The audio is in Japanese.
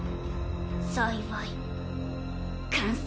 幸い完成。